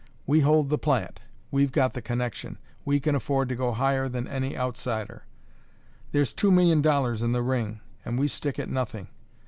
We hold the plant; we've got the connection; we can afford to go higher than any outsider; there's two million dollars in the ring; and we stick at nothing.